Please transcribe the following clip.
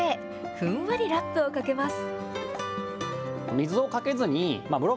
ふんわりラップをかけます。